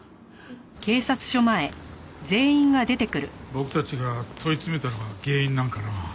僕たちが問い詰めたのが原因なんかな。